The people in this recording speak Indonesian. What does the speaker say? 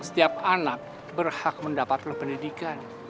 setiap anak berhak mendapatkan pendidikan